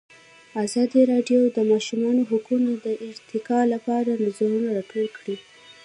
ازادي راډیو د د ماشومانو حقونه د ارتقا لپاره نظرونه راټول کړي.